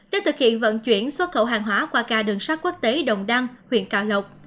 để thực hiện vận chuyển xuất khẩu hàng hóa qua đường sát quốc tế đồng đăng huyện cao lộc